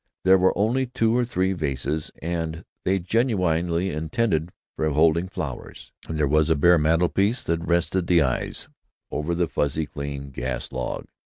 There were only two or three vases, and they genuinely intended for holding flowers, and there was a bare mantelpiece that rested the eyes, over the fuzzily clean gas log.